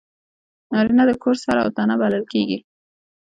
نارینه د کور سر او تنه بلل کېږي.